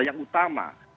hal yang utama